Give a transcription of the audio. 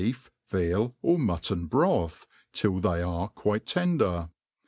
131 hecf, veal, or mutton broth, till they are quite tender.